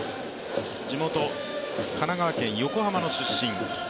地元・神奈川県横浜の出身。